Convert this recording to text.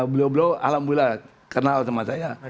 beliau beliau alhamdulillah kenal sama saya